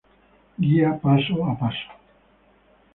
Guía paso a paso.